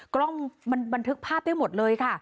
กล้องมันบันทึกภาพได้หมดเลยค่ะ